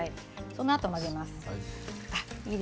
そのあと混ぜます。